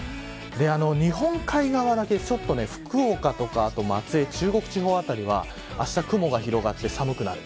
日本海側だけちょっと福岡とか松江中国地方あたりはあした雲が広がって寒くなる。